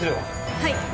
はい。